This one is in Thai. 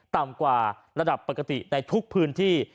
ต่ำกว่าระดับปกติในทุกพื้นที่